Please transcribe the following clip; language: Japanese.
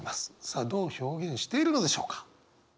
さあどう表現しているのでしょうか。